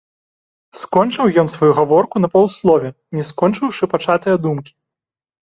Скончыў ён сваю гаворку на паўслове, не скончыўшы пачатае думкі.